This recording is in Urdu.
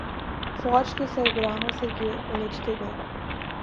فوج کے سربراہوں سے یہ الجھتے گئے۔